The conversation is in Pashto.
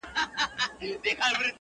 ما جوړ كړي په قلاوو كي غارونه؛